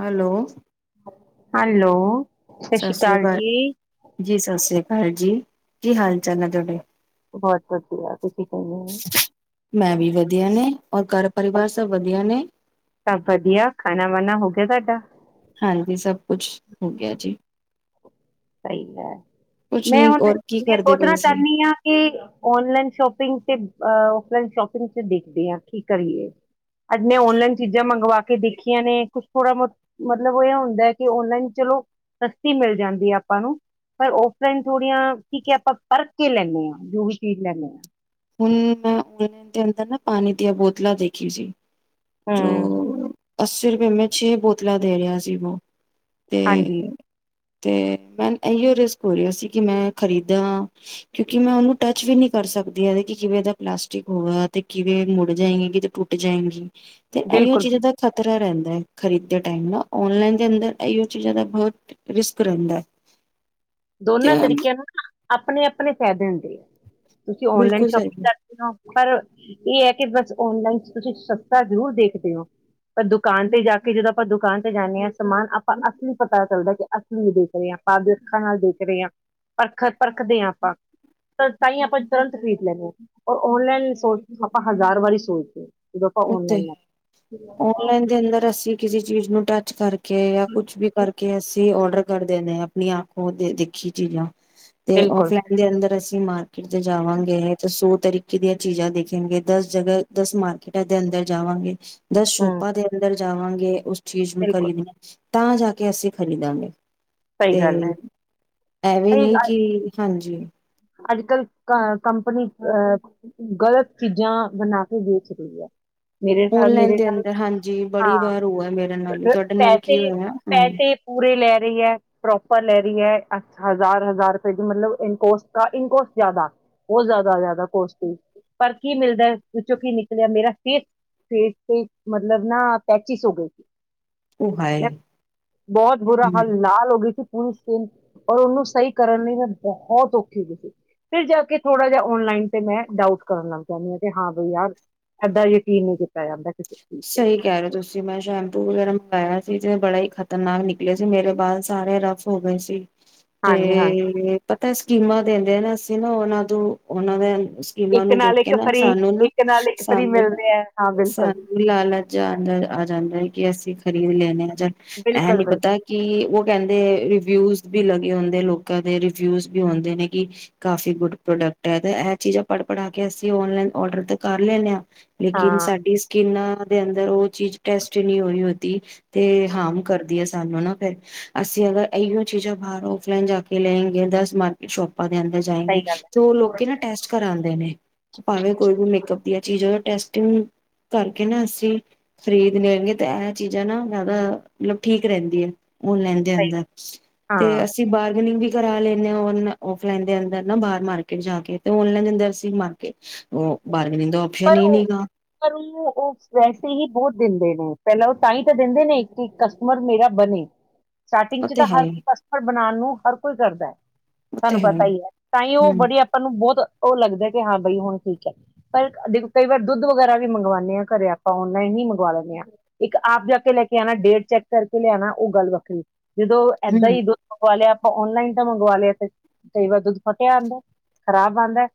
Hello hello ਸਤਿ ਸ੍ਰੀ ਅਕਾਲ ਜੀ ਜੀ ਸਤਿ ਸ੍ਰੀ ਅਕਾਲ ਜੀ ਕੀ ਹਾਲ ਚਾਲ ਹੈ ਤੁਹਾਡੇ ਬਹੁਤ ਵਧੀਆ ਤੁਸੀਂ ਕਿਵੇਂ ਹੋ? ਮੈਂ ਵੀ ਵਧੀਆ ਨੇ ਔਰ ਘਰ ਪਰਿਵਾਰ ਸਭ ਵਧੀਆ ਨੇ ਸਭ ਵਧੀਆ ਖਾਣਾ ਵਾਣਾ ਹੋ ਗਿਆ ਤੁਹਾਡਾ ਹਾਂਜੀ ਸਭ ਕੁਝ ਹੋ ਗਿਆ ਜੀ ਸਹੀ ਹੈ ਕੁਛ ਮੈਂ ਨੀ ਹੁਣ ਔਰ ਕੀ ਮੈਂ ਕਰਦੇ ਪਏ ਸੋਚਣਾ ਸੀ? ਚਾਹੁੰਦੀ ਹਾਂ ਕਿ ਓਨਲਾਈਨ ਸ਼ੋਪਿੰਗ ਤੇ ਫਲਾਈਨ ਸ਼ੋਪਿੰਗ ਚ ਦੇਖਦੇ ਹਾਂ ਕੀ ਕਰੀਏ ਅੱਜ ਮ ਓਨਲਾਈਨ ਚੀਜ਼ਾਂ ਮੰਗਵਾ ਕੇ ਦੇਖੀਆਂ ਨੇ ਕੁਛ ਥੋੜਾ ਮਤਲਬ ਉਹ ਹੁੰਦਾ ਕਿ ਓਨਲਾਈਨ ਚਲੋ ਸਸਤੀ ਮਿਲ ਜਾਂਦੀ ਆ ਆਪਾਂ ਨੂੰ ਪਰ ਔਫਲਾਈਨ ਥੋੜੀਆਂ ਕਿਉੰਕੀ ਆਪਾਂ ਪਰਖ ਕੇ ਲੈਂਦੇ ਹਾਂ ਜੋ ਵੀ ਚੀਜ਼ ਲੈਂਦੇ ਹਾਂ ਹੁਣ ਮੈਂ ਉ ਦੇ ਅੰਦਰ ਨਾ ਪਾਣੀ ਦੀਆਂ ਬੋਤਲਾਂ ਦੇਖੀ ਸੀ ਜੋ ਹੂੰ, ਅੱਸੀ ਰੁਪਏ ਮੈਂ ਛੇ ਬਹੁਤ ਪਤਲਾ ਦੇ ਰਿਹਾ ਸੀ ਵੋ ਹਾਂਜੀ ਤੇ ਤੇ ਮੈ ਇਹੀਓ ਰਿਸਕ ਹੋ ਰਿਹਾ ਸੀ ਕਿ ਮੈਂ ਖਰੀਦਾਂਾਂ ਕਿਉਂਕਿ ਮੈਂ ਉਹਓਨੂੰ ਟੱਚ ਵੀ ਨਹੀਂ ਕਰ ਸਕਦੀ ਇਹ ਹੈ ਕਿ ਕਿਵੇਂ ਇਹਦਾ ਪਲਾਸਟਿਕ ਹੋਗਾ ਤੇ ਕਿਵੇਂ ਮੁੜ ਜਾਏਗੇ ਕਿ ਤੇ ਟੁੱਟ ਜਾਏਗੀ ਤੇ ਇਹੀਓ ਬਿਲਕੁਲ। ਚੀਜ਼ਾਂ ਦਾ ਖ਼ਤਰਾ ਰਹਿੰਦਾ ਖਰੀਦ ਟਮ ਨਲਾਈਨ ਦੇ ਅੰਦਰ ਇਹ ਚੀਜ਼ਾਂ ਦਾ ਬਹੁਤ ਰਿਸਕ ਰਹਿੰਦਾ ਹੈ ਦੋਨਾਂ ਤਰੀਕਿਆਂ ਨਾਲ ਨਾ ਆਪਣੇ ਆਪਣੇ ਫਾਇਦੇ ਹੁੰਦੇ ਆ ਤੁਸੀਂ ਔਨਲਾਈਨ ਬਿਲਕੁਲ ਸਹੀ ਸ਼ੋਪਿੰਗ ਕਰਦੇ ਹੋ ਪਰ ਇਹ ਹੈ ਕਿ ਬਸ ਔਨਲਾਈਨ ਤੁਸੀਂ ਸਸਤਾ ਜ਼ਰੂਰ ਦੇਖਦੇ ਹੋ ਪਰ ਦੁਕਾਨ ਤੇ ਜਾ ਕੇ ਜਦੋਂ ਆਪਾਂ ਦੁਕਾਨ ਤੇ ਜਾਂਦੇ ਹਾਂ ਸਮਾਨ ਆਪਾਂ ਅਸਲੀ ਪਤਾ ਚੱਲਦਾ ਕਿ ਅਸਲੀ ਦੇਖ ਰਹੇ ਹਾਂ ਆਪਾਂ ਅੱਖਾਂ ਨਾਲ ਦੇਖ ਰਹੇ ਹਾਂ ਪਰਖ ਪਰਖਦੇ ਹਾਂ ਆਪਾਂ ਤਾਂ ਹੀ ਆਪਾਂ ਤੁਰੰਤ ਖਰੀਦ ਲੈਂਦੇ ਹਾਂ ਔਰ ਔਨਲਾਈਨ ਸੋਚਦੇ ਆਪਾਂ ਹਜ਼ਾਰ ਵਾਰੀ ਸੋਚਦੇ ਹਾਂ ਜਦੋਂ ਆਪਾਂ ਔਨਲਾਈਨ ਉੱਥੇ ਲੈਂਦੇ ਹਾਂ। ਔਨਲਾਈਨ ਦੇ ਅੰਦਰ ਅਸੀਂ ਕਿਸੇ ਚੀਜ਼ ਨੂੰ ਟੱਚ ਕਰਕੇ ਕੇ ਜਾਂ ਕੁਛ ਵੀ ਕਰਕੇ ਅਸੀਂ ਔਡਰ ਕਰਦੇ ਨੇ ਆਪਣੀ ਆਪ ਦੇਖੀ ਚੀਜ਼ਾਂ ਤੇ ਬਿਲਕੁਲ ਆਫਲੈਣੇ ਦੇ ਅੰਦਰ ਅਸੀਂ ਅਸੀਂ ਮਾਰਕੀਟ ਤੇ ਜਾਵਾਂਗੇ ਤਾਂ ਸੌ ਤਰੀਕੇ ਦੀਆਂ ਚੀਜ਼ਾਂ ਦੇਖਣਗੇ ਦਸ ਜਗ੍ਹਾ ਦਸ ਮਾਰ ਕਿਟਾ ਦੇ ਅੰਦਰ ਜਾਵਾਂਗੇ ਦਸ ਹਮ ਸ਼ੋਪਾਂ ਦੇ ਅੰਦਰ ਜਾਵਾਂਗੇ ਉਸ ਚੀਜ਼ ਨੂੰ ਬਿਲਕੁਲ ਕਰੀਦੀ ਤਾਂ ਜਾ ਕੇ ਅਸੀਂ ਖਰੀਦਾਂਗੇ ਸਹੀ ਤੇ ਗੱਲ ਹੈ ਐਵੇਂ ਸਹੀ ਨੀ ਕਿ ਹਾਂਜੀ ਜੀ ਅੱਜ ਕੱਲ੍ਹ ਕੰਪਨੀ ਅਹ ਗ਼ਲਤ ਚੀਜ਼ਾਂ ਬਣਾ ਕੇ ਵੇਚਰਹੀ ਹੈ ਮੇਰੇ ਓਨਲਾਈਨ ਮੇਰੇ ਦੇ ਨਾਲ ਅੰਦਰ ਹਾਂਜੀ ਬੜੀ ਹਾਂ ਵਾਰ ਹੋਆ ਮੇਰੇ ਨਾਲ ਤੁਹਾਡੇ ਨਾਲ ਕੀ ਪੈਸੇ ਹੋਇਆ ਹਮ ਪੈਸੇ ਪੂਰੇ ਲੈ ਰਹੀ ਹੈ ਪ੍ਰੋਪ ਲੈ ਰਹੀ ਹੈ ਅੱ ਹਜ਼ਾਰ ਹਜ਼ਾਰ ਰੁਪਏ ਦੀ ਮਤਲਬ ਇਨਕੋਸਟ ਇੰਕੋਸਟ ਜਿਆਦਾ ਬਹੁਤ ਜ਼ਿਆਦਾ ਜ਼ਿਆਦਾ ਕੋਸ ਪਰ ਕੀ ਮਿਲਦਾ ਵਿੱਚੋਂ ਕੀ ਨਿਕਲਿਆ ਮੇਰਾ ਫੇਸ ਫੇਸ ਤੇ ਮਤਲਬ ਨਾ ਪੈਚਿਸ ਹੋ ਗਈ ਸੀ ਉਹ ਹਾਏ ਮੈਂ ਬਹੁਤ ਬੁਰਾ ਹਮ ਹਾਲ ਲਾਲ ਹੋ ਗਈ ਸੀ ਔਰ ਉਨੂੰ ਸਈ ਕਰਨ ਲਈ ਮੈਂ ਬੋਹੋਤ ਔਖ ਫਿਰ ਜਾ ਕੇ ਥੋੜ੍ਹਾ ਜਿਆ ਔਨਲਾਈਨ ਤੇ ਮੈਂ ਡਾਊਟ ਕਰਨ ਲੱਗ ਜਾਂਨੀ ਆਂ ਕਿ ਹਾਂ ਬਾਈ ਯਾਰ ਐਦਾਂ ਯਕੀਨ ਨੀ ਕੀਤ ਸਈ ਕੈ ਰਏ ਔ ਤੁਸੀਂ ਮੈਂ ਸ਼ੈਂਪੂ ਵਗੈਰਾ ਮੰਗਾਇਆ ਸੀ ਜੋ ਬੜਾ ਈ ਖ਼ਤਰਨਾਕ ਨਿਕਲੇ ਸੀ ਮੇਰੇ ਬਾਲ ਸਾਰੇ ਰਫ ਹੋ ਗਏ ਸੀ। ਹਾਂਜੀ ਹਾਂਜੀ ਤੇ ਪਤੈ ਸਕੀਮਾਂ ਦੇਂਦੇ ਨਾ ਏਨਾ ਔਨਾਂ ਤੋਂ ਉਹਨਾਂ ਦੇ ਸਕੀਮਾਂ ਇੱਕ ਨੂੰ ਦੇਖ ਨਾਲ ਇੱਕ ਕੇ ਨਾ ਫਰੀ, ਸਾਨੂੰ ਨਾ ਇੱਕ ਨਾਲ ਇੱਕ ਫਰੀ ਸਾਨੂੰ ਮਿਲ ਨਾ ਰੇ ਐ, ਹਾਂ ਬਿਲਕੁਲ [unintelligible] ਆ ਜਾਂਦਾ ਐ ਕਿ ਅਸੀਂ ਖਰੀਦ ਲੇਣੇ ਆਂ। ਜੱਦ ਇਹ ਬਿਲਕੁਲ ਨੀ ਬਿਲਕੁਲ ਪਤਾ ਕਿ ਔ ਕੈਂਦੇ ਰਿਵਿਊਜ ਵੀ ਲਗੇ ਹੁੰਦੇ ਲੋਕਾਂ ਦੇ, ਰਿਵਿਊਜ ਵੀ ਹੁੰਦੇ ਨੇ ਕਿ ਕਾਫ਼ੀ ਗੁੱਡ ਪ੍ਰੋਡਕਟ ਐ ਤੇ ਇਹ ਚੀਜ਼ਾਂ ਪੜ ਪੜਾ ਕੇ ਅਸੀਂ ਔਨਲਾਈਨ ਔਡਰ ਤੇ ਕਰ ਲੈਂਨੇ ਆਂ। ਲੇਕਿਨ ਹਾਂ ਸਾਡੀ ਇਨਾਂ ਦੇ ਅੰਦਰ ਔ ਚੀਜ਼ ਟੈਸਟ ਨੀ ਹੋਈ ਹੁਦੀ ਤੇ ਹਾਰਮ ਕਰਦੀ ਆ ਸਾਨੂੰ ਨਾ ਫੇਰ, ਅਸੀਂ ਅਗਰ ਐਈਔ ਚੀਜ਼ਾਂ ਬਾਹਰ ਔਫਲਾਈਨ ਜਾ ਕੇ ਲੈਗੇ ਦਸ ਮਾਰਕਿਟ ਸ਼ੋਪ ਪਾਂ ਦੇ ਅੰਦਰ ਸਹੀ ਜਾਏਂਗੇ ਗੱਲ ਤੇ ਉਹ ਹੈ ਲੋਕੀ ਨਾ ਟੈਸਟ ਕਰਾ ਗ ਨੇ ਭਾਵੇਂ ਕੋਈ ਵੀ ਮੇਕਅਪ ਵਧੀਆ ਚੀਜ ਔ [unintelligible] ਟੈਸਟਿੰਗ ਕਰਕੇ ਨਾ ਅਸੀ ਖ਼ਰੀਦ ਲੇਂਗੇ ਤੇ ਇਹ ਚੀਜ਼ਾਂ ਨਾ ਜ਼ਿਆਦਾ ਮਤਲਬ ਠੀਕ ਰਹਿੰਦੀਆਂ ਔਨਲਾਇਨ ਦੇ ਸਹੀ ਅੰਦਰ ਤੇ ਹਾਂ ਅਸੀਂ ਬਾਰਗਨਿੰਗ ਵੀ ਕਰਾ ਲੇਨੇ ਆ ਔਨਲਾਈ, ਔਫਲਾਈਨ ਦੇ ਅੰਦਰ ਨਾ ਬਾਹਰ ਮਾਰਕਿਟ ਜਾ ਕੇ ਤੇ ਔਨਲਾਈਨ ਦੇ ਅੰਦਰ ਅਸੀ ਮਾਰਕੀਟ ਔ ਬਾਰ ਗਨਿਗ ਦਾ ਔਪਸ਼ਨ ਪਰ ਈ ਉਹ ਨੀਗਾ। ਪਰ ਉਹ ਉਹ ਵੈਸੇ ਹੀ ਬਹੁਤ ਦਿੰਦੇ ਨੇ, ਪਹਿਲਾਂ ਉਹ ਤਾਂ ਈ ਤੇ ਦਿੰਦੇ ਨੇ ਕਿ ਕਸਟਮਰ ਮੇਰਾ ਬਨੇ। ਸਟਾਰਟਿੰਗ ਉਹ ਚ ਤੇ ਤਾਂ ਹੈ ਹਰ ਹੀ ਕੋਈ ਕਸਟਮਰ ਬਣਾਣ ਨੂੰ ਹਰ ਕੋਈ ਕਰਦੈ, ਉਹ ਤੇ ਤਾਨੂੰ ਹੈ ਪਤਾ ਹੀ ਈ ਐ ਤਾਂ ਈ ਉਹ ਹਮ ਬੜੀ ਆਪਾਂ ਨੂੰ ਬੋਤ ਔ ਲੱਗਦੈ ਕਿ ਹਾਂ ਬਾਈ ਹੁਣ ਠੀਕ ਐ। ਪਰ ਦੇਖੋ ਕਈ ਵਾਰ ਦੁੱਧ ਵਗੈਰਾ ਵੀ ਮੰਗਵਾਨੇ ਆਂ ਘਰੇ ਆਪਾਂ ਔਨਲਾਈਨ ਈ ਮੰਗਵਾ ਲੇਨੇ ਆਂ। ਇੱਕ ਆਪ ਜਾ ਕੇ ਲੈ ਕੇ ਆਨਾ, ਡੇਟ ਚੈੱਕ ਕਰਕੇ ਲਿਆਨਾ ਔ ਗੱਲ ਵੱਖਰੀ ਜਦੋਂ ਏਦਾਂ ਹਮ ਈ ਦੁੱਧ ਮੰਗਵਾ ਲਿਆ ਔਨਲਾਈਨ ਤਾਂ ਮੰਗਵਾ ਲਿਆ ਫੇਰ ਕਈ ਵਾਰ ਦੁੱਧ ਫਟਿਆ ਆਂਦੈ, ਖ਼ਰਾਬ ਆਂਦੈ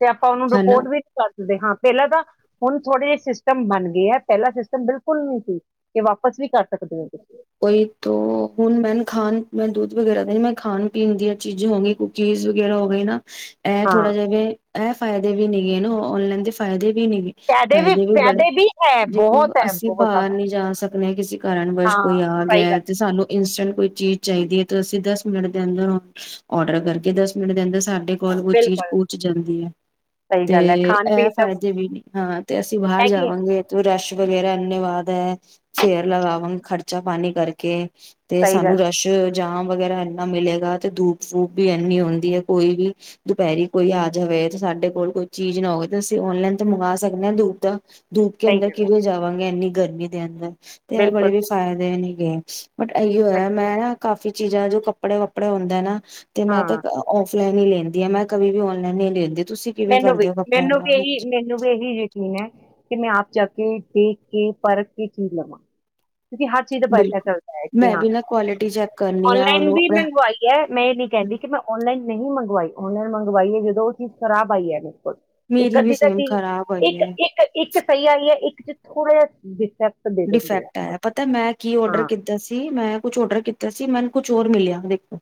ਤੇ ਆਪਾਂ ਉਹਨੂੰ ਰੁ ਹਨਾ ਕਰ ਸਕਦੇ, ਹਾਂ ਪਹਿਲਾਂ ਤਾਂ ਹੁਣ ਥੋੜੇ ਜਿਹੇ ਸਿਸਟਮ ਬਣ ਗੇ ਐ ਪਹਿਲਾਂ ਸਿਸਟਮ ਬਿਲਕੁਲ ਨੀ ਸੀ ਕਿ ਵਾਪਸ ਵੀ ਕਰ ਸਕਦੇ ਔ ਤੁਸੀਂ। ਔਈ ਤੋ ਹੁਣ ਮੈਂਨੂੰ ਖਾਣ, ਮੈਂਨ ਦੁੱਧ ਵਗੈਰਾ ਦਾ ਨੀ ਮੈਂ ਖਾਣ ਪੀਣ ਦੀਆਂ ਚੀਜ਼ਾਂ ਹੋ ਗਈ, ਕੂਕੀਜ਼ ਵਗੈਰਾ ਹੋ ਗਏ ਨਾ ਇਹ ਥੋੜਾ ਹਾਂ ਜਾ ਵੇ ਇਹ ਫਾਇਦੇ ਵੀ ਨੀਗੇ ਨਾ ਔਨਲਾਈਨ ਦੇ ਫਾਇਦੇ ਵੀ ਨੀਗੇ, ਫਾਇਦੇ ਵੀ ਬੜੇ, ਹੈ ਜੇ [unintelligible] ਬਹੁਤ ਹੈ ਅਸੀਂ ਬਹੁਤ ਬਾਹਰ ਜ਼ਿਆਦਾ ਨੀ ਜਾ ਸਕ ਨਈ ਕਿਸੀ ਕਾਰਨਵਸ਼ ਕੋਈ ਹਾਂ ਆ ਸਹੀ ਗੱਲ ਗਿਆ ਤੇ, ਸਾਨੂੰ ਇੰਸਟੈਂਟ ਕੋਈ ਚੀਜ਼ ਚਾਹੀਦੀ ਹੈ, ਤਾਂ ਅਸੀਂ ਦਸ ਮਿੰਟ ਦੇ ਅੰਦਰ ਔਡਰ ਕਰਕੇ ਦਸ ਮਿੰਟ ਦੇ ਅੰਦਰ ਸਾਡੇ, ਕੋਲ ਚੀਜ਼ ਬਿਲਕੁਲ ਪੰਹੁਚ ਜਾਂਦੀ ਹੈ, ਸਹੀ ਤੇ ਗੱਲ ਹੈ ਖਾਣ ਇਹ ਪੀਣ ਦਾ ਫਾਇਦੇ ਵੀ, ਹਾਂ ਤੇ ਅਸੀਂ ਬਾਹਰ ਹੈਗੇ ਜਾਵਾਂਗੇ ਤੇ ਰੈਸ਼ [unintelligible] ਕੱਚਾ ਪਾਣੀ ਕਰਕੇ, ਤੇ ਸਹੀ ਗੱਲ ਸਾਨੂੰ ਹੈ ਰਸ਼ ਜਾਂ, ਵਗੈਰਾ ਇੰਨਾ ਮਿਲੇਗਾ ਤੇ ਧੁੱਪ ਫੂਪ ਵੀ ਇੰਨੀ ਹੁੰਦੀ ਹੈ, ਕੋਈ ਵੀ ਦੁਪਹਿਰੀ ਕੋਈ ਆ ਜਾਵੇ, ਤੇ ਸਾਡੇ ਕੋਲ ਕੋਈ ਚੀਜ਼ ਨਾ ਹੋਵੇ ਤੇ ਅਸੀਂ ਆਨਲਾਈਨ ਤੇ ਮੰਗਵਾ ਸਕਦੇ ਹਾਂ। ਧੁੱਪ ਦਾ ਧੁੱਪ ਕੇ ਸਹੀ ਅੰਦਰ ਗੱਲ ਹੈ ਕਿਵੇਂ ਜਾਵਾਂਗੇ ਇੰਨੀ, ਗਰਮੀ ਦੇ ਅੰਦਰ, ਤੇ ਬੜੇ ਬਿਲਕੁਲ [unintelligible] ਫਾਇਦੇ ਨੇ ਗੇਮ ਚ। ਬਟ ਇਹੀ ਸਹੀ ਹੋਇਆ ਮੈਂ, ਕਾਫ਼ੀ ਚੀਜ਼ਾਂ ਜੋ ਕੱਪੜੇ ਵੱਪੜੇ ਹੁੰਦਾ ਨਾ। ਤੇ ਮੈਂ ਤੇ ਹਾਂ ਆਲਾਈਨ ਹੀ ਲੈਂਦੀ ਅ ਮੈਂ ਕੀ ਵੀ ਆਨਲਾਈਨ ਨੀ ਲੈਂਦੀ। ਤੁਸੀਂ ਕਿਵੇਂ ਮੈਨੂੰ ਵੀ, ਕਰਦੇ ਹੋ ਕੱਪੜਿਆਂ ਮੈਨੂੰ ਦਾ ਵੀ ਇਹੀ ਹਾਂਜੀ ਮੈਨੂੰ ਵੀ ਇਹੀ ਯਕੀਨ ਹੈ। ਕਿ ਮੈਂ ਆਪ ਜਾ ਕੇ ਦੇਖ ਕੇ ਪਰਖ ਕੇ ਚੀਜ਼ ਲਵਾਂ। ਕਿਉਂਕਿ ਹਰ ਚੀਜ਼ ਦਾ ਬਿਹਤਰ ਬਿਲਕੁਲ ਚੱਲਦਾ ਹੈ ਕਿ ਮੈਂ ਹਾਂ, ਵੀ ਨਾ ਕੁਆਲਿਟੀ ਚੈੱਕ ਕਰਨੀ ਆ ਆਨਲਾਈਨ ਉਹਨੂੰ ਵੀ ਆਪਣਾ ਮੰਗਵਾਈ ਹੈ ਮੈਂ ਇਹ ਨ ਕਹਿੰਦੀ ਕਿ ਮੈਂ ਆਨਲਾਈਨ- ਨਹੀਂ ਮੰਗਵਾਈ ਉਹਨਾਂ ਨੇ ਮੰਗਵਾਈ ਹੈ ਜਦੋਂ ਉਹ ਚੀਜ਼ ਖਰਾਬ ਆਈ ਹੈ ਨੇ। ਇੱਕ ਮੇਰੀ ਵੀ ਅੱਧੀ ਤਾਂ ਸੇਮ ਕੀ ਖ਼ਰਾਬ ਹੋਈ ਇੱਕ ਹੈ ਇੱਕ ਇੱਕ, ਇੱਕ ਸਹੀ ਆਈ ਹੈ ਇੱਕ ਚ ਥੋੜਾ ਜਿਹਾ ਦਿੱ ਡਿਫੈਕਟ ਆਇਆ ਪਤਾ ਮੈਂ ਕੀ ਔਡਰ ਹਾਂ ਕੀਤਾ ਸੀ ਮੈਂ ਕੁਛ ਔਡਰ ਕੀਤਾ ਸੀ ਮੈਨੂੰ ਕੁਛ ਹੋਰ ਮਿਲਿਆ ਦੇਖੋ।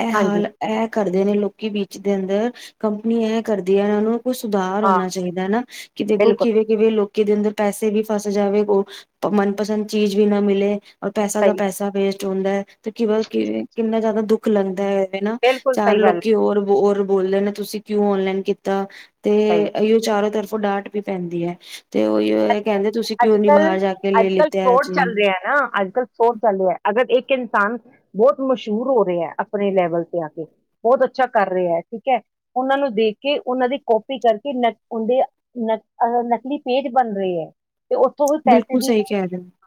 ਇਹ ਹਾਂਜੀ ਹਾਲ ਇਹ ਕਰਦੇ ਨੇ ਲੋਕੀ ਬ ਜਿਹਦੇ ਅੰਦਰ ਕੰਪਨੀ ਇਹ ਕਰਦੀ ਹੈ ਇਹਨਾਂ ਨੂੰ ਸੁਧਾਰ ਹਾਂ ਹੋਣਾ ਚਾਹੀਦਾ ਹਨਾ ਕਿ ਦੇਖੋ ਬਿਲਕੁਲ ਕਿਵੇਂ ਕਿਵੇਂ ਲੋਕ ਕੀ ਦੇ ਅੰਦਰ ਪੈਸੇ ਵੀ ਫਸ ਜਾਵੇ ਤਾਂ ਮਨਪਸੰਦ ਚੀਜ਼ ਵੀ ਨਾ ਮਿਲੇ। ਔਰ ਪੈਸਾ ਦਾ ਸਹੀ ਗੱਲ ਪੈਸਾ ਵੇਸਟ। [unintelligible] ਾਹੁੰਦਾ ਹੈ ਤੇ ਕਿ ਕਿੰਨਾ ਜ਼ਿਆਦਾ ਦੁੱਖ ਲੱਗਦਾ ਹੈ ਇਹ ਨਾ ਬਿਲਕੁਲ ਚਾਰ ਸਹੀ ਗੱਲ ਲੋਕੀ ਹੋਰ ਬੋਲ ਬੋਲਦੇ ਨਾ ਤੁਸੀਂ ਕਿਉਂ ਆਨਲਾਈਨ ਕੀਤਾ। ਤੇ ਸਹੀ ਗੱਲ ਇਹਿਓ ਚਾਰੋ ਤਰਫ ਪੁਲਾਟ ਵੀ ਪੈਂਦੀ ਹੈ ਤੇ ਉਹੀ ਕਹਿੰਦੇ ਤੁਸੀਂ ਅੱਜ ਕਿਉਂ ਨੀ ਕੱਲ ਬਾਹਰ ਜਾ ਕੇ ਲੈ ਅੱਜ ਕੱਲ੍ਹ ਲਿੱਤੇ ਹੈ ਫੋਰਡ ਚੀਜ਼ ਚੱਲ ਨੂੰ ਰਿਹਾ ਨਾ ਅੱਜ ਕੱਲ੍ਹ ਫੋਰ ਚੱਲ ਰਿਹਾ ਅਗਰ ਇੱਕ ਇਨਸਾਨ ਬਹੁਤ ਮਸ਼ਹੂਰ ਹੋ ਰਿਹਾ ਹੈ ਆਪਣੇ ਲੈਵਲ ਤੇ ਆ ਕੇ ਬਹੁਤ ਅੱਛਾ ਕਰ ਰਿਹਾ ਹੈ ਠੀਕ ਹੈ ਉਹਨਾਂ ਨੂੰ ਦੇਖ ਕੇ ਉਹਨਾਂ ਦੀ ਕੋਪੀ ਕਰਕੇ ਨ ਉਹਦੇ ਨ ਅਹ ਨਕਲੀ ਪੇਜ ਬਣ ਰਹੇ ਹੈ ਤੇ ਉੱਥੋਂ ਕੋਈ ਪੈਸੇ ਬਿਲਕੁਲ ਦੀ ਸਹੀ ਹੈ ਕਹਿ ਰਹੇ ਹੋ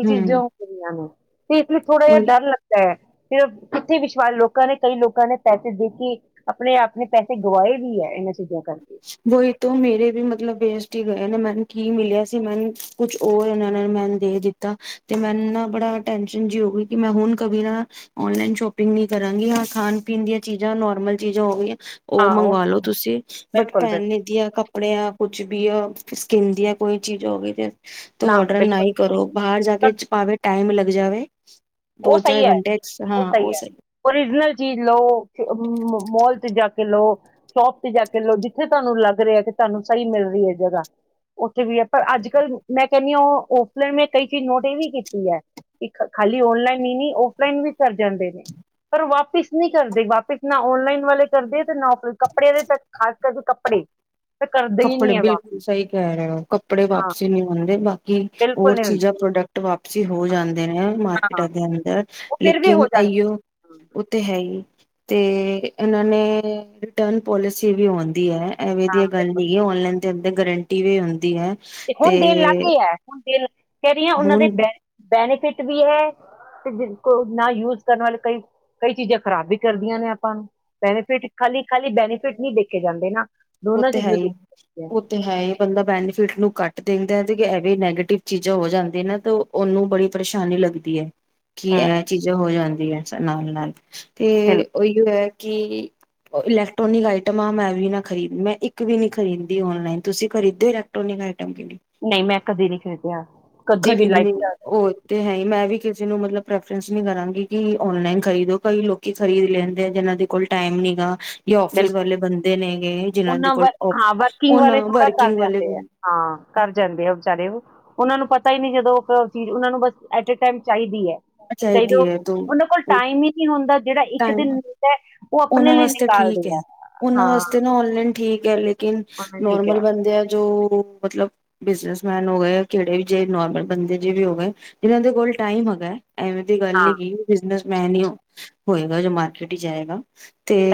ਇਹ ਹਮ ਚੀਜ਼ਾਂ ਗਦੀਆਂ ਨੇ ਤੇ ਇਸ ਲਈ ਥੋੜਾ ਜ ਉਹੀ ਡਰ ਲਗਦਾ ਹੈ ਫਿਰ ਕਿੱਥੇ ਵਿਸ਼ਵਾਸ ਲੋਕਾਂ ਨੇ ਕਈ ਲੋਕਾਂ ਨੇ ਪੈਸੇ ਦੇ ਕੇ ਆਪਣੇ ਆਪ ਨੇ ਪੈਸੇ ਗਵਾਏ ਵੀ ਹੈ ਇਹਨਾਂ ਚੀਜ਼ਾਂ ਚ ਵਹੀ ਤੋਂ ਮੇਰੇ ਵੀ ਮਤਲਬ ਵੇਸਟ ਗਏ ਨੇ ਮੈਨੂੰ ਕੀ ਮਿਲਿਆ ਸੀ ਮੈਨ ਕੁਛ ਹੋਰ ਇਹਨਾਂ ਮੈਨੂੰ ਦੇ ਦਿੱਤਾ ਤੇ ਮੈਨੂੰ ਨਾ ਬੜਾ ਟੈਨਸ਼ਨ ਜਿ ਹੋਗੀ ਕਿ ਮੈਂ ਹੁਣ ਕਬੀ ਨਾ ਨਲਾਈਨ ਸ਼ੋਪਿੰਗ ਨੀ ਕਰਾਂਗੀ ਹਾਂ ਖਾਣ ਪੀਣ ਦੀਆਂ ਚੀਜ਼ਾਂ ਨੋਰਮਲ ਚੀਜ਼ਾਂ ਹੋ ਗ ਉਹ ਮੰਗਵਾਾਲੋ ਤੁਸੀਂ ਬਟ ਬਿਲਕੁਲ ਪੈਨ ਬਿਲਕੁਲ ਨੇ ਦੀਆ ਕੱਪੜਿਆਂ ਕੁਛ ਵੀ ਆ ਸਕਿੰਨ ਦੀ ਹੈ ਕੋਈ ਚੀਜ਼ ਹੋ ਗਈ ਤੇ ਤ ਔਡਰ ਨਾ ਹੀ ਕਰੋ ਬਾਹਰ ਜਾ ਕੇ ਭਾਵੇਂ ਟਾਈਮ ਲ ਜਾਵੇ ਉਹ ਦੋ ਸਹੀ ਚਾਰ ਹੈ, ਘੰਟੇ ਐਕਸ ਹਾਂ ਉਹ ਸਹੀ ਹੈ। ਓਰੀਜਨਲ ਚੀਜ਼ ਲਓ ਮ-ਮੋਲ ਚ ਜਾ ਕੇ ਲੋ, ਸ਼ੋਪ ਤੇ ਜਾ ਕੇ ਲੋ, ਜਿੱਥੇ ਤੁਹਾਨੂੰ ਲੱਗ ਰਿਹਾ ਹੈ ਕਿ ਤੁਹਾਨੂੰ ਸਹੀ ਮਿਲ ਰਹੀ ਹੈ ਜਗ੍ਹਾ। ਵੀ ਹੈ ਪਰ ਅੱਜ ਕੱਲ੍ਹ ਮੈਂ ਕਹਣੀ ਆ ਉਹ ਔਫਲਾਈਨ ਮੈਂ ਕਈ ਚੀਜ਼ ਨੋਟ ਇਹ ਵੀ ਕੀਤੀ ਹੈ ਇਕ ਖਾਲੀ ਬੀ ਔਨਲਾਈਨ ਹੀ ਨਹੀਂ, ਔਫਲਾਈਨ ਵੀ ਕਰ ਜਾਂਦੇ ਨੇ, ਪਰ ਵਾਪਿਸ ਨਹੀਂ ਕਰਦੇ। ਵਾਪਿਸ ਨਾ ਔਨਲਾਈਨ ਵਾਲੇ ਕਰਦੇ ਤੇ ਨਾ ਔਫ ਕੱਪੜਿਆਂ ਦੇ ਤ ਖ਼ਾਸ ਕਰਕੇ ਕਪ ਪੜੇ ਕੱਪੜੇ ਬਿਲਕੁਲ ਸਹੀ ਕਹਿ ਰਹੇ ਹੋ, ਕੱਪੜੇ ਹਾਂ ਵਾਪਸੀ ਨਹੀਂ ਹੁੰਦੇ ਬਾਕੀ ਬਿਲਕੁਲ ਹੋਰ ਨਹੀਂ ਹੁੰਦੇ ਚੀਜ਼ਾਂ ਪ੍ਰੋਡਕਟ ਵਾਪਸੀ ਹੋ ਹਾਂ, ਜਾਂਦੇ ਨੇ। ਹਾਂ ਮਾਰਕੀਟਾਂ ਦੇ ਅੰਦਰ ਉਹ ਫਿਰ ਵੀ ਲੇਕਿਨ ਹੋ ਜਾਣਗੇ ਅਇਓ ਹਾਂ, ਉਹ ਤੇ ਹੈ ਹੀ। ਤੇ ਇਹਨਾਂ ਨੇ ਰਿਟਰਨ ਪੋਲਿਸੀ ਵੀ ਹੋਂਦੀ ਹੈ। ਐਵੇਂ ਹਾਂ ਦੀ ਗੱਲ ਬਿਲਕੁਲ। ਨਹੀਂ ਔਨਲਾਈਨ ਦੇ ਅੰਦਰ ਗਰੰਟੀ ਵੀ ਹੁੰਦੀ ਹੈ ਤੇ ਹੁਣ ਦਿਲ ਲਾੱਗ ਗਿਆ ਹੈ ਹੁਣ ਦਿਲ ਕਹਿ ਰਹੀ ਹਾਂ ਉਹਨਾਂ ਦੇ ਹੁਣ ਬੈ-ਬੈਨੀਫਿਟ ਵੀ ਹੈ ਤੇ ਕੋ ਨਾਲ ਯੂਜ ਕਰਨ ਵਾਲੇ ਕਈ-ਕਈ ਚੀਜ਼ਾਂ ਖ਼ਰਾਬ ਵੀ ਕਰਦੀਆਂ ਨੇ ਆਪਾਂ ਨੂੰ, ਬੈਨੀਫਿਟ ਖਾਲੀ-ਖਾਲੀ ਬੈਨੀਫਿਟ ਨਹੀਂ ਦੇਖੇ ਜਾਂਦੇ ਨਾ। ਉਹ ਦੋਨਾਂ ਤੇ ਹੈ ਚੀਜ਼ਾਂ ਦੇਖੀ ਹੀ ਜਾਂਦੀ ਉਹ ਤੇ ਹੈ ਹੀ, ਬੰਦਾ ਬੈਨੀਫਿਟ ਨੂੰ ਕੱਟ ਦੇਂਦਾ ਏ, ਐਵੇਂ ਨੈਗੇਟਿਵ ਚੀਜ਼ਾਂ ਹੋ ਜਾਂਦੀ ਨਾ ਤਾਂ ਉਹਨੂੰ ਬੜੀ ਪਰੇਸ਼ਾਨੀ ਲੱਗਦੀ ਹੈ। ਕੀ ਐ ਹਮ ਚੀਜ਼ਾਂ ਹੋ ਜਾਂਣ ਦੀ ਐ ਨਾਲ-ਨਾਲ। ਤੇ ਬਿਲਕੁਲ ਉਹੀਓ ਹੈ ਕਿ ਇਲੈਕਟ੍ਰੋਨਿਕ ਆਈਟਮਾਂ ਮੈਂ ਵੀ ਨਾ ਖਰੀਦ ਮੈਂ ਇੱਕ ਵੀ ਨੀ ਖਰੀਦਦੀ ਔਨਲਾਈਨ ਤੁਸੀਂ ਖਰੀਦਦੇ ਇਲੈਕਟ੍ਰੋਨਿਕ ਆਇ ਨਹੀਂ ਮੈਂ ਕਦੇ ਨੀ ਖਰੀਦੀਆ ਕਦੀ ਵੀ ਲਾਈਫ ਖਰੀਦਣੀ ਚ ਅੱਜ ਉਹ ਤੇ ਹੈ ਹੀ ਮੈਂ ਵੀ ਕਿਸੇ ਨੂੰ ਮਤਲਬ ਪ੍ਰੈਫਰੈਂਸ ਨੀ ਕਰਾਂਗੀ ਕਿ ਓਨਲਾਈਨ ਖਰੀਦੋ ਕਈ ਲੋਕੀ ਖਰੀਦ ਲੈਂਦੇ ਆ ਜਿਨਾਂ ਦੇ ਕੋਲ ਟਾਈਮ ਨੀ ਗਾ ਯਾਂ ਆਫੀਸ ਬਿਲਕੁਲ ਵਾਲੇ ਬੰਦੇ ਨੇ। ਜਿਨਾਂ ਦੇ ਉਹਨਾਂ ਕੋਲ ਵਰ ਹਾਂ ਵਰਕਿੰਗ ਉਹਨਾਂ ਵਾਲੇ ਥੋੜਾ ਕਰ ਵਰਕਿੰਗ ਵਾਲੇ ਜਾਂਦੇ ਐ ਹਾਂ ਕਰ ਜਾਂਦੇ ਐ ਵਿਚਾਰੇ ਉਹ, ਉਨਾਂ ਉਹ ਨੂੰ ਪਤਾ ਹੀ ਨੀ ਜਦੋਂ ਚੀਜ਼ ਉਹਨਾਂ ਨੂੰ ਬਸ ਐਟ-ਏ-ਟਾਈਮ ਚਾਹੀਦੀ ਹੈ। ਚਾਇਦੀ ਐ, ਚਾਹੀਦੀ ਹੈ, ਤਾਂ ਉਹਨਾਂ ਕੋਲ ਉਹ ਟਾਈਮ ਹੀ ਨਹੀਂ ਹੁੰਦਾ ਜਿਹੜਾ ਇੱਕ ਟਾਈਮ ਦਿਨ ਮਿਲਦਾ ਐ ਉਹ ਆਪਣੇ ਲਈ ਨਿਕਾਲਦੇ ਆ [unintelligible] ਉਹਨਾਂ ਹਾਂ ਵਾਸਤੇ ਨਾ ਔਨਲਾਈਨ ਠੀਕ ਹੈ ਲੇਕਿਨ ਉਹਨਾਂ ਠੀਕ ਹੈ ਨੋਰਮਲ ਬੰਦੇ ਆ ਜੋ ਮਤਲਬ ਬਿਜਨਸ ਮੈਨ ਹੋ ਗਏ ਕਿਹੜੇ ਵੀ ਜੇ ਨੋਰਮਲ ਬੰਦੇ ਜੇ ਵੀ ਹੋ ਗਏ ਜਿਨਾਂ ਦੇ ਕੋਲ ਟਾਈਮ ਹੈਗਾ। ਐਵੇਂ ਦੀ ਗੱਲ ਨਹੀਂ ਹਾਂ ਹੈਗੀ ਬਿਜਨਸ ਮੈਨਊ ਹੋਏਗਾ ਜੋ ਮਾਰਕੀਟ ਹੀ ਜਾਏਗਾ।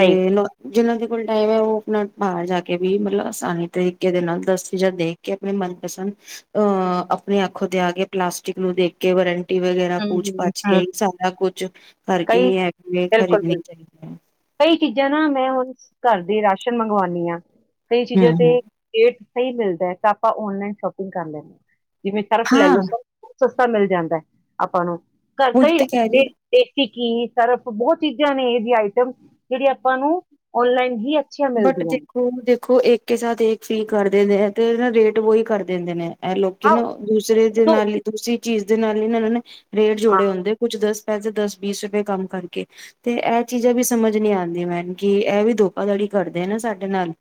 ਸਹੀ ਲੋ [unintelligible] ਜਿਹਨਾਂ ਦੇ ਕੋਲ ਟਾਈਮ ਹੈ ਉਹ ਆਪਣਾ ਬਾਹਰ ਜਾ ਕੇ ਵੀ ਮਤਲਬ ਆਸਾਨੀ ਤਰੀਕੇ ਦੇ ਨਾਲ ਦਸ ਚੀਜ਼ਾਂ ਦੇਖ ਕੇ ਆਪਣੇ ਮਨਪਸੰਦ ਅਹ ਆਪਣੀ ਅੱਖੋ ਤੇ ਆ ਕੇ ਪਲਾਸਟਿਕ ਨੂੰ ਦੇਖ ਕੇ ਵਰ ਟੀ ਵਗੈਰਾ ਹਮ, ਪੂਛ ਹਮ, ਪਾਛ ਕੇ ਹਮ, ਹੀ ਸਾਰਾ ਕੁਛ ਕਰਕੇ ਕਈ ਹੀ ਐ ਬਿਲਕੁਲ ਬਿਲਕੁਲ ਖਰੀਦਣੀ ਚਾਹੀ ਕਈ ਚੀਜ਼ਾਂ ਨਾ ਮੈਂ ਹੁਣ ਘਰ ਦੇ ਰਾਸ਼ਨ ਮੰਗਵਾਉਣੀ ਆ ਕਈ ਚੀਜ਼ਾਂ ਤੇ ਰੇਟ ਸਹੀ ਮਿਲਦਾ ਹੈ ਤਾਂ ਆਪਾਂ ਔਨਲਾਈਨ ਸ਼ੋਪਿੰਗ ਕਰ ਲੈਂਦੇ। ਜਿਵੇਂ ਸਰਫ ਲੈ ਲੋ ਸਰ ਸਸਤਾ ਮਿਲ ਜਾਂਦਾ ਐ ਆਪਾਂ ਨੂੰ। [unintelligible] ਟਿੱਕੀ ਸਰਫ ਬਹੁਤ ਚੀਜ਼ਾਂ ਨੇ ਇਹਦੀ ਆਈਟਮ ਜਿਹੜੀ ਆਪਾਂ ਨੂੰ ਔਨਲਾਈਨ ਹੀ ਅੱਛੀਆਂ ਬਟ ਮਿਲਦੀਆਂ ਨੇ ਦੇਖੋ ਦੇਖ ਖੋ ਇੱਕ ਸਾਥ ਇੱਕ ਫ੍ਰੀ ਕਰ ਦਿੰਦੇ ਨੇ ਤੇ ਰੇਟ ਵੋਹੀ ਕਰ ਦਿੰਦੇ ਨੇ। ਐਹ ਲੋਕੀ ਹਾਂ ਨਾ ਦੂਸਰੇ ਦੇ ਉਦੋਂ ਨਾਲ ਹੀ ਤੁਸੀਂ ਚੀਜ਼ ਦੇ ਨਾਲ ਇਹਨਾਂ ਨੇ ਰੇਟ ਹਾਂ ਜੋੜੇ ਹੁੰਦੇ ਕੁੱਝ ਦੱਸ ਪੈਸੇ ਦਸ ਬੀਸ ਰੁਪਏ ਕੰਮ ਕਰਕੇ ਤੇ ਐਹ ਚੀਜ਼ਾਂ ਵੀ ਸਮਝ ਨੀ ਆਉਂਦੀਆਂ ਮੈਨ ਕਿ ਐਹ ਵੀ ਧੋਖਾਧੜੀ ਕਰਦੇ ਨਾ ਸਾਡੇ ਨਾਲ।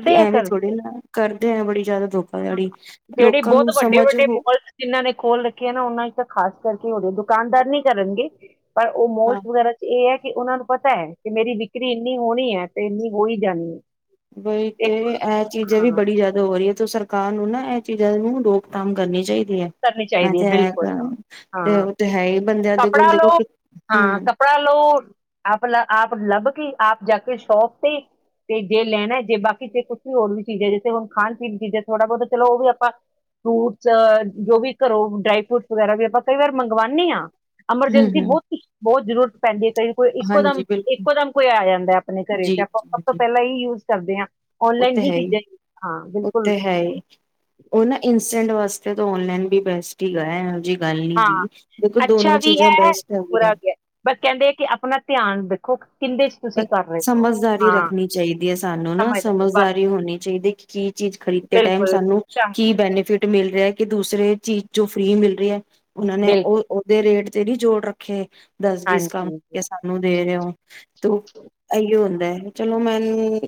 ਕਿ ਐਵੇਂ ਥੋੜੇ ਨਾ ਕਰ [inaudible] ਬੜੀ ਜ਼ਿਆਦਾ ਹ ਧੋਖਾਧੜੀ ਜਿਹੜੀ ਲੋਕਾਂ ਬਹੁਤ ਨੂੰ ਵੱਡੇ ਸਮਝ ਵੱਡੇ ਹੋ ਮੋਲ ਜਿਨਾਂ ਨੇ ਖੋਲ ਰੱਖੇ ਆ ਨਾ ਉਹਨਾ ਚ ਤਾਂ ਖਾਸ ਕਰਕੇ ਹੋ ਰਹੀ ਦੋ ਦੁਕਾਨਦਾਰ ਨੀ ਕਰਨਗੇ। ਪਰ ਉਹ ਮੋਲਸ ਹਾਂ ਵਗੈਰਾ ਚ ਇਹ ਹੈ ਕਿ ਉਹਨਾਂ ਨੂੰ ਪਤਾ ਹੈ। ਕਿ ਮੇਰੀ ਵਿਕਰੀ ਇੰਨੀ ਹੋਣੀ ਹੈ ਤੇ ਇੰਨੀ ਹੋ ਹੀ ਜਾਣੀ ਹੈ। ਬਈ ਤੇ ਇਹ ਚੀਜ਼ਾਂ ਵੀ ਹਾਂ ਬੜੀ ਜਿਆਦਾ ਹੋ ਰਹੀ ਆ ਜੋ ਸਰਕਾਰ ਨੂੰ ਨਾ ਇਹ ਚੀਜ਼ਾਂ ਨੂੰ ਰੋਕਥਾਮ ਕਰਨੀ ਚਾਹੀਦੀ ਹੈ ਕਰਨੀ ਮੈਂ ਚਾਹੀਦੀ ਹੈ ਤੇ ਇਹ ਕਹਾਂ, ਤੇ ਉਹ ਤੇ ਹੈ ਹੀ ਬੰਦਿਆਂ ਦੇ ਕੋਲ ਕੱਪੜਾ ਦੇਖੋ ਲਓ ਹੂੰ ਹਾਂ, ਕੱਪੜਾ ਲਓ ਆ ਮਤਲਬ ਆਪ ਆਪ ਲੱਭ ਕੇ ਆਪ ਜਾ ਕੇ ਸ਼ੋਪ ਤੇ, ਤੇ ਜੇ ਲੈਣਾ ਜੇ ਬਾਕੀ ਜੇ ਕੁਛ ਵੀ ਹੋਰ ਵੀ ਚੀਜ਼ ਹੈ, ਜਿੱਥੇ ਹੁਣ ਖਾਣ- ਪੀਣ ਦੀ ਚੀਜ਼ਾਂ ਥੋੜਾ ਬਹੁਤਾ ਚਲੋ ਉਹ ਵੀ ਆਪਾਂ ਫਰੂਟਸ ਜੋ ਵੀ ਘਰੋਂ ਡਰਾਈ ਫਰੂਟਸ ਵਗੈਰਾ ਵੀ ਆਪਾਂ ਕਈ ਵਾਰ ਮੰਗਵਾਣੇ ਆ ਹੂੰ ਐਮਰਜੈਂਸੀ ਹੂੰ ਬਹੁਤ ਸੀ ਬਹੁਤ ਜ਼ਰੂਰਤ ਪੈਂਦੀ ਹੈ। ਜਦੋਂ ਕੋਈ ਇੱਕੋ ਦਮ ਹਾਂਜੀ ਬਿਲਕੁਲ ਇੱਕੋ ਦਮ ਕੋਈ ਆ ਜਾਂਦਾ ਆਪਣੇ ਘਰੇ ਜੀ ਤੇ ਆਪਾਂ ਸਭ ਜੀ ਤੋਂ ਜੀ ਪਹਿਲਾਂ ਹੀ ਜੂਸ ਕਰਦੇ ਹਾਂ। ਉਹ ਤੇ ਔਨਲਾਈਨ ਹੈ ਹੀ, ਚੀਜ਼ਾਂ ਹਾਂ ਉਹ ਬਿਲਕੁਲ ਤੇ ਹੈ ਹੀ, ਉਹ ਨਾ ਇੰਸਟੈਂਟ ਵਾਸਤੇ ਇਹ ਤਾਂ ਓਨਲਾਈਨ ਵੀ ਬੈਸਟ ਹੀ ਹੈਗਾ ਜੀ। ਹਾਂ ਅੱਛਾ ਵੀ ਹੈ, ਬੈਸਟ ਹੈਗੀਆਂ। ਬੁਰਾ ਵੀ ਹੈ, ਬਸ ਕਹਿੰਦੇ ਆ ਕਿ ਆਪਣਾ ਧਿਆਨ ਰ ਸਮਝਦਾਰੀ ਹਾਂ, ਰੱਖਣੀ ਚਾਹੀਦੀ ਹੈ, ਸਾਨੂੰ ਨਾ ਸਮਝਦਾਰੀ ਹੋਣੀ ਚਾਹੀਦੀ ਹੈ ਕਿ ਕੀ ਚੀਜ਼ ਖਰੀਦਦੇ ਟਾਈਮ ਬਿਲਕੁਲ, ਸਾਨੂੰ ਚੰ ਕੀ ਬੈਨੀਫਿਟ ਮਿਲ ਰਿਹਾ ਕਿ ਦੂਸਰੇ ਚੀਜ਼ ਜੋ ਫ੍ਰਰੀ ਮਿਲ ਰਹੀ ਹੈ। ਉਹਨਾਂ ਨੇ ਬਿਲਕੁਲ ਉਹ ਉਹਦੇ ਰੇਟ ਜਿਹੜੀ ਜੋੜ ਰੱਖੇ ਦਸ ਬੀਸ ਕੰਮ ਹਾਂਜੀ, ਜੀ, ਕੇ ਸਾਨੂੰ ਦੇ ਰਹੇ ਹੋ। ਤੋ ਇਹੀਓ ਹੁੰਦਾ ਹੈ। ਚਲੋ ਮੈਨੂੰ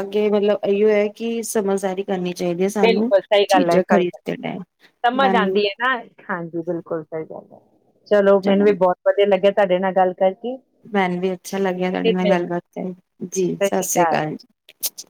ਅਗੇ ਮਤਲਬ ਇਹੀਓ ਕਿ ਸਮਝਦਾਰੀ ਕਰਨੀ ਚਾਹੀਦੀ ਹੈ ਸਾਨੂੰ ਬਿਲਕੁਲ ਸਹੀ ਗੱਲ ਹੈ, ਚੀਜ਼ਾਂ ਸਹੀ ਖਰੀਦਦੇ ਟਾਈਮ ਸਮਝ ਮੈਨੂੰ ਆਂਦੀ ਹੈ, ਨਾ ਹਾਂਜੀ ਬਿਲਕੁਲ ਸਹੀ ਗੱਲ ਹੈ। ਚਲੋ ਮੈਨੂੰ ਵੀ ਬਹੁਤ ਵਧੀਆ ਲੱਗਿਆ। ਤੁਹਾਡੇ ਨਾਲ ਗੱਲ ਕਰਕੇ, ਮੈਨੂੰ ਵੀ ਅੱਛਾ ਲੱਗਿਆ, ਤੁਹਾਡੇ ਫਿਰ ਨਾਲ ਮਿਲਦੇ ਗੱਲਬਾਤ ਕਰ ਜੀ, ਸਤਿ ਸ੍ਰੀ ਅਕਾਲ ਜੀ।